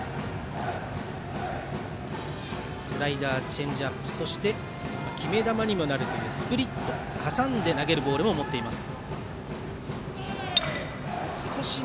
スライダー、チェンジアップそして、決め球にもなるというスプリットはさんで投げるボールも持っています。